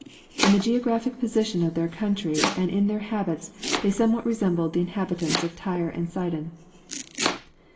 In the geographic position of their country and in their habits they somewhat resemble the inhabitants of Tyre and Sidon.